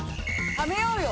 はめようよ。